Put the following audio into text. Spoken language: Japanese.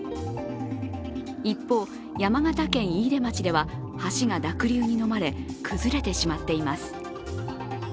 一方、山形県飯豊町では橋が濁流に飲まれ崩れてしまっています。